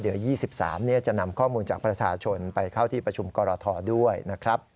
เดี๋ยว๒๓จะนำข้อมูลจากประชาชนไปเข้าที่ประชุมกรทด้วยนะครับ